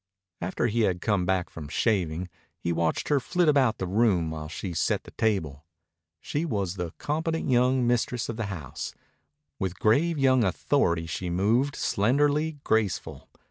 After he had come back from shaving, he watched her flit about the room while she set the table. She was the competent young mistress of the house. With grave young authority she moved, slenderly graceful.